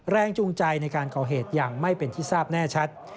จูงใจในการก่อเหตุอย่างไม่เป็นที่ทราบแน่ชัด